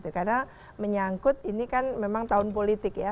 karena menyangkut ini kan memang tahun politik ya